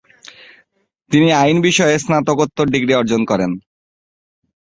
তিনি আইন বিষয়ে স্নাতকোত্তর ডিগ্রি অর্জন করেন।